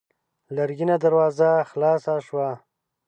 لرګينه دروازه خلاصه شوه.